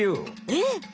えっ？